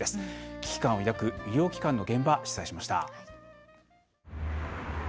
危機感を抱く医療機関の現場取材しました。